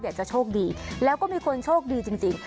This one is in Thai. เนี่ยจะโชคดีแล้วก็มีคนโชคดีจริงจริง